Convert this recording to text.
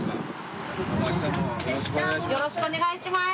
よろしくお願いします！